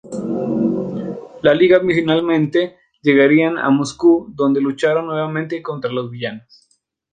La Liga finalmente llegarían a Moscú, donde lucharon nuevamente contra los villanos.